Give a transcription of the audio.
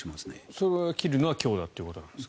それを決めるのが今日だということなんですかね。